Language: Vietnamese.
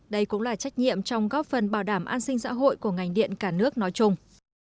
đây cũng là trách nhiệm trong góp phần bảo đảm an sinh xã hội của ngành điện cả nước nói chung